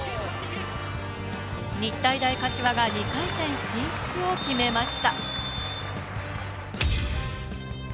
日体大柏が２回戦進出を決めました。